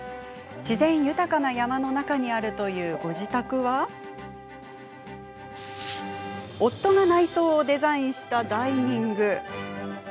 自然豊かな山の中にあるというご自宅は夫が内装をデザインしたダイニング。